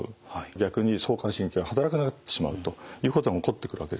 逆に交感神経が働かなくなってしまうということが起こってくるわけですね。